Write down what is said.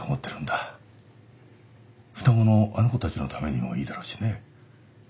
双子のあの子たちのためにもいいだろうしね。